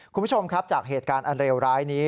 คุณผู้ชมครับจากเหตุการณ์อันเลวร้ายนี้